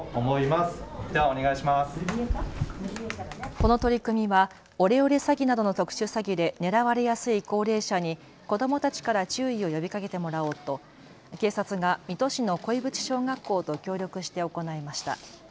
この取り組みはオレオレ詐欺などの特殊詐欺で狙われやすい高齢者に子どもたちから注意を呼びかけてもらおうと警察が水戸市の鯉淵小学校と協力して行いました。